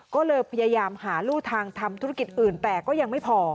ก็เลยพยายามหารู่ทางทำธุรกิจอื่นแต่ก็ยังไม่พอ